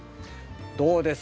どうです？